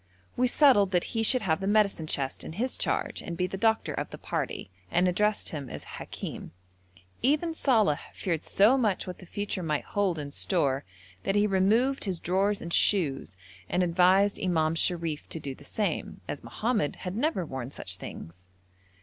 We settled that he should have the medicine chest in his charge and be the doctor of the party, and addressed him as Hakim. Even Saleh feared so much what the future might hold in store, that he removed his drawers and shoes, and advised Imam Sharif to do the same, as Mohammed had never worn such things.